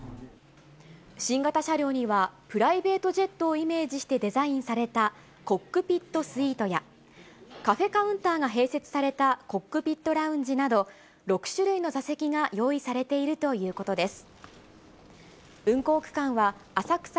新型車両には、プライベートジェットをイメージしてデザインされたコックピットスイートや、カフェカウンターが併設されたコックピットラウンジなど、６種類の座席が用意されているということです。